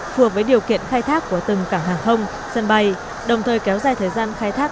phù hợp với điều kiện khai thác của từng cảng hàng không sân bay đồng thời kéo dài thời gian khai thác